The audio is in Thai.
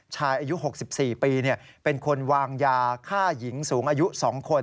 ชายอายุ๖๔ปีเป็นคนวางยาฆ่าหญิงสูงอายุ๒คน